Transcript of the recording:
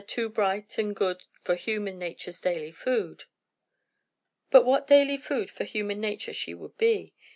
. too bright and good For human nature's daily food." But what "daily food" for human nature she would be!